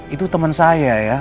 itu temen saya ya